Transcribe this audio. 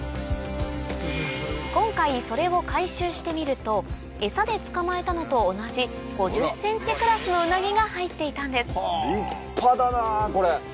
今回それを回収してみると餌で捕まえたのと同じ５０ｃｍクラスのウナギが入っていたんです立派だなこれ！